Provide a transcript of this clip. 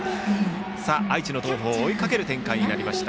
愛知の東邦、追いかける展開になりました。